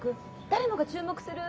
誰もが注目する？